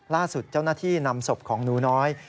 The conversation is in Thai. ล่าสุดเจ้าหน้าที่นำศพของหนูน้อย